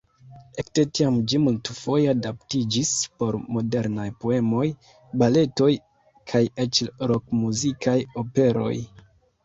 Ekde tiam ĝi multfoje adaptiĝis por modernaj poemoj, baletoj kaj eĉ rok-muzikaj operoj.